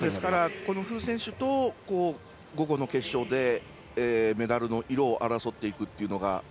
馮選手と午後の決勝でメダルの色を争っていくというのが。